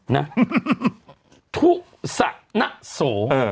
นะทุสักนะสว